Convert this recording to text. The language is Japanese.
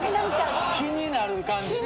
気になる感じね。